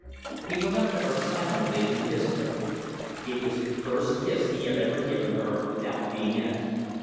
He went up to her silently and kissed her. It was the first kiss he had ever given her without being asked.